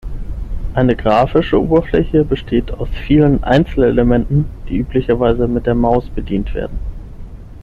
Eine grafische Oberfläche besteht aus vielen Einzelelementen, die üblicherweise mit der Maus bedient werden.